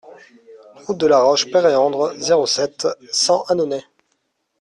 Route de la Roche Péréandre, zéro sept, cent Annonay